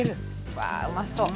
うわうまそう。